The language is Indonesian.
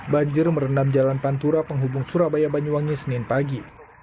banjir merendam jalan pantura penghubung surabaya banyuwangi senin pagi